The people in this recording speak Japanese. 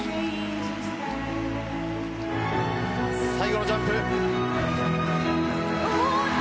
最後のジャンプ。